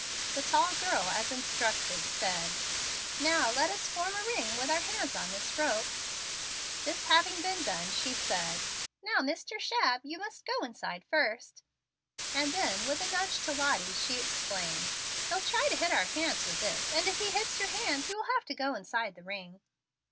The tall girl, as instructed, said, "Now let us form a ring with our hands on this rope." This having been done, she said, "Now, Mr. Shabb, you must go inside first"; and then, with a nudge to Lottie, she explained, "He'll try to hit our hands with his, and if he hits your hands you will have to go inside the ring."